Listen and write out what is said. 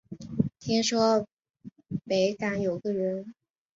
听说北港有个人